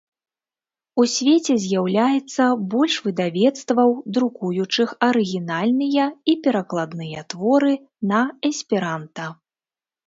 У свеце з'яўляецца больш выдавецтваў, друкуючых арыгінальныя і перакладныя творы на эсперанта.